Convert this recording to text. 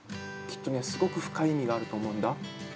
きっとね、すごく深い意味があると思うんだ。